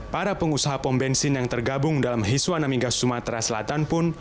para pengusaha pom bensin yang tergabung dalam hiswanamingga sumatera selatan pun